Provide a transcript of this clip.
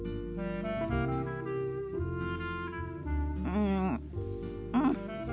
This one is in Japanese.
うんうん。